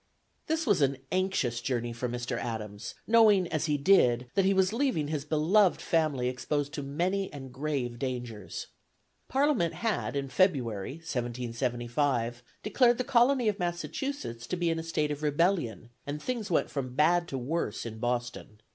This was an anxious journey for Mr. Adams, knowing as he did, that he was leaving his beloved family exposed to many and grave dangers. Parliament had, in February, 1775, declared the Colony of Massachusetts to be in a state of rebellion, and things went from bad to worse in Boston.